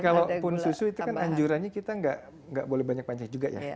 kalau produk susu itu kan anjurannya kita gak boleh banyak panjang juga ya